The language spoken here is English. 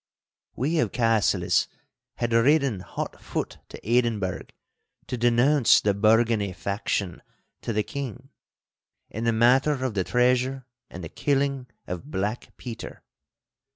We of Cassillis had ridden hot foot to Edinburgh to denounce the Bargany faction to the king, in the matter of the treasure and the killing of Black Peter.